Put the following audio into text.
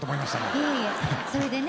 いえいえそれでね